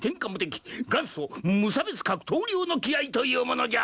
元祖無差別格闘流の気合というものじゃ。